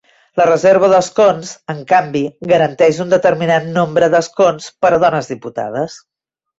La reserva d'escons, en canvi, garanteix un determinat nombre d'escons per a dones diputades.